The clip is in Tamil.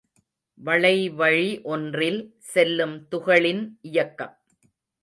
வளைவழி ஒன்றில் செல்லும் துகளின் இயக்கம்.